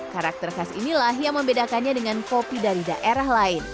karakter khas inilah yang membedakannya dengan kopi dari daerah lain